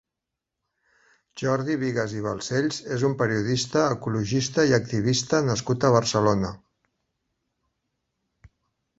Jordi Bigues i Balcells és un periodista, ecologista i activista nascut a Barcelona.